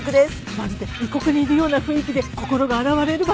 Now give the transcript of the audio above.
まるで異国にいるような雰囲気で心が洗われる場所です。